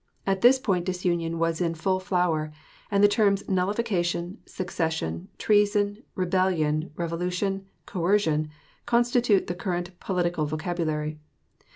At this point disunion was in full flower, and the terms nullification, secession, treason, rebellion, revolution, coercion, constitute the current political vocabulary.